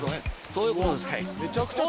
そういうことです。